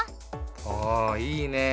おいいね。